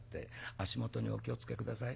足元にお気を付け下さい。